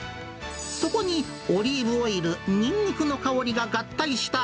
そこに、オリーブオイル、ニンニクの香りが合体した、